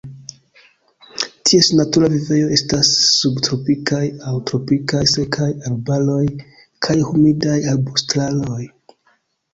Ties natura vivejo estas subtropikaj aŭ tropikaj sekaj arbaroj kaj humidaj arbustaroj.